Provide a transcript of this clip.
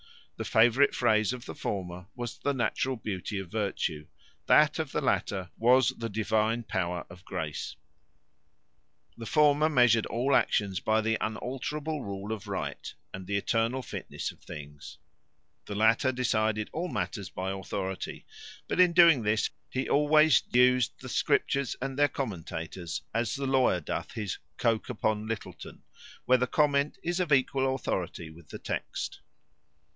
The favourite phrase of the former, was the natural beauty of virtue; that of the latter, was the divine power of grace. The former measured all actions by the unalterable rule of right, and the eternal fitness of things; the latter decided all matters by authority; but in doing this, he always used the scriptures and their commentators, as the lawyer doth his Coke upon Lyttleton, where the comment is of equal authority with the text.